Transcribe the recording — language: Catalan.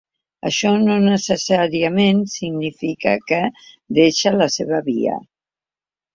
Això no necessàriament significa que deixa la seva via.